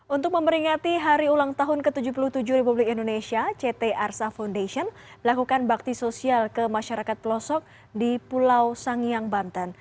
untuk memperingati hari ulang tahun ke tujuh puluh tujuh republik indonesia ct arsa foundation melakukan bakti sosial ke masyarakat pelosok di pulau sangiang banten